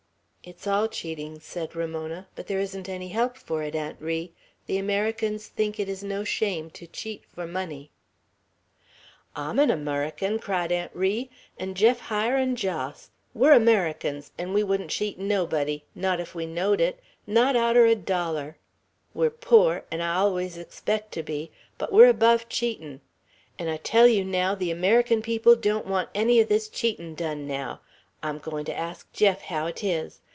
"It's all cheating." said Ramona; "but there isn't any help for it, Aunt Ri. The Americans think it is no shame to cheat for money." "I'm an Ummeriken!" cried Aunt Ri; "an' Jeff Hyer, and Jos! We're Ummerikens! 'n' we wouldn't cheat nobody, not ef we knowed it, not out er a doller. We're pore, an' I allus expect to be, but we're above cheatin'; an' I tell you, naow, the Ummeriken people don't want any o' this cheatin' done, naow! I'm going to ask Jeff haow 'tis.